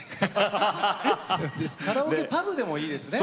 カラオケパブでもいいですね。